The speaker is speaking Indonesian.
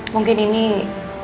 mungkin ini jack